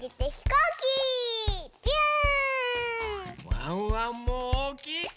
ワンワンもおおきいひ